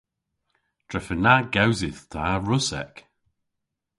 Drefen na gewsydh ta Russek.